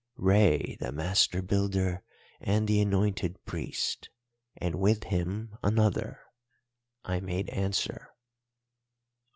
"'Rei, the Master Builder and the anointed Priest, and with him another,' I made answer.